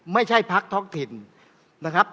ไม่ใช่ภักดิ์ท้องถิ่นนะครับ